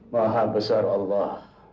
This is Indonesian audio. maha besar allah